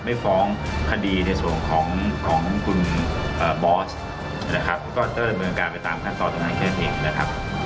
ไม่ฟ้องคดีในส่วนของของคุณบอสนะครับก็เจ้าในบริการไปตามขั้นตอบต่างกันเองนะครับ